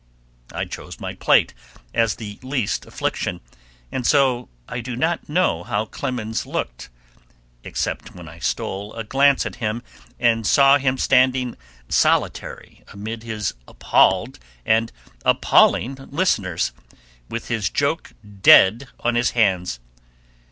I chose my plate as the least affliction, and so I do not know how Clemens looked, except when I stole a glance at him, and saw him standing solitary amid his appalled and appalling listeners, with his joke dead on his hands.